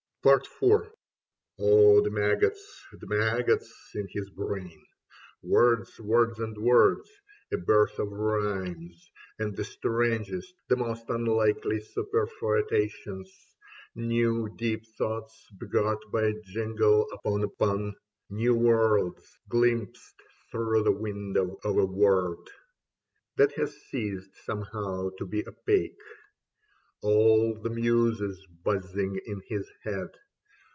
Soles Occidere et Redire Possunt 65 IV OH, the maggots, the maggots in his brains ! Words, words and words. A birth of rhymes and the strangest, The most unhkely superfoetations — New deep thoughts begot by a jingle upon a pun, New worlds glimpsed through the window of a word That has ceased, somehow, to be opaque. All the muses buzzing in his head.